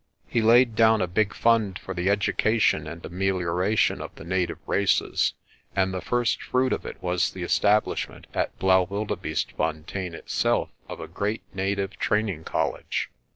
He laid down a big fund for the education and amelioration of the native races, and the first fruit of it was the establishment at Blaauwilde beestefontein itself of a great native training college.